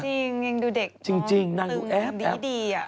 จริงยังดูเด็กต้องตื่นดีอะ